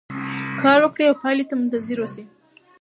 کار وکړئ او پایلې ته منتظر اوسئ.